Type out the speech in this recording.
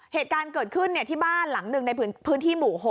เหตุการณ์เกิดขึ้นที่บ้านหลังหนึ่งในพื้นที่หมู่๖